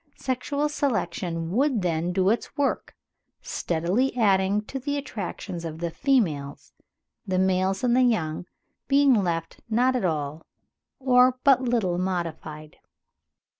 Sexual selection would then do its work, steadily adding to the attractions of the females; the males and the young being left not at all, or but little modified.